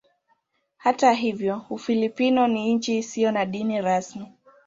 Hata hivyo Ufilipino ni nchi isiyo na dini rasmi.